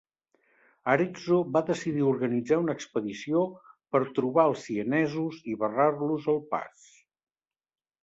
Arezzo va decidir organitzar una expedició per trobar els sienesos i barrar-los el pas.